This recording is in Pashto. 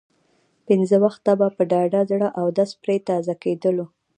پنځه وخته به په ډاډه زړه اودس پرې تازه کېدلو.